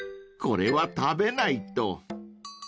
これは食べないと］